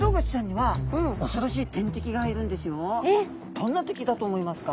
どんな敵だと思いますか？